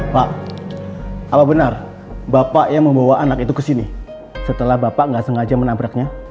pak apa benar bapak yang membawa anak itu kesini setelah bapak gak sengaja menabraknya